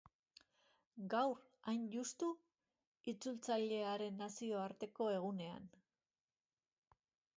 Gaur, hain juxtu, itzultzailearen nazioarteko egunean.